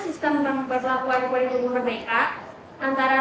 sekolah yang berada di kota dan